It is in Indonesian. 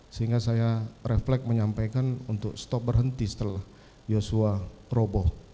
sehingga saya refleks menyampaikan untuk stop berhenti setelah yosua roboh